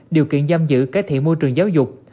điều kiện giam giữ cải thiện môi trường giáo dục